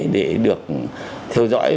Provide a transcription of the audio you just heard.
để được theo dõi